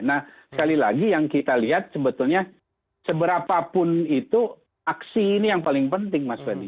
nah sekali lagi yang kita lihat sebetulnya seberapapun itu aksi ini yang paling penting mas fedy